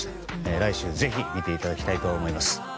来週ぜひ見ていただきたいと思います。